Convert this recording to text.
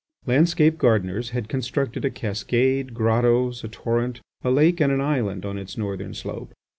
Landscape gardeners had constructed a cascade, grottos, a torrent, a lake, and an island, on its northern slope.